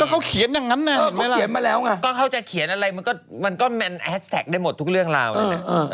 ก็เขาเขียนอย่างงั้นนะเห็นไม๊ล่ะมันก็มันแฮดแซกได้หมดทุกเรื่องรามั้งนนะ